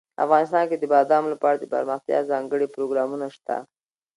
افغانستان کې د بادامو لپاره دپرمختیا ځانګړي پروګرامونه شته.